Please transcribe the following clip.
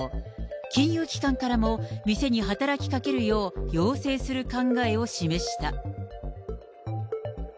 金融機関からも店に働きかけるよう要請する考えを示した。